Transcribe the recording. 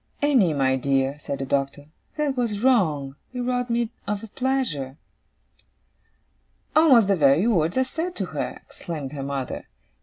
'Annie, my dear,' said the Doctor. 'That was wrong. It robbed me of a pleasure.' 'Almost the very words I said to her!' exclaimed her mother.